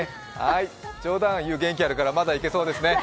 冗談言う元気あるから、まだいけそうですね。